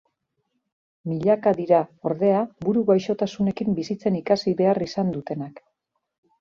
Milaka dira, ordea, buru gaixotasunekin bizitzen ikasi behar izan dutenak.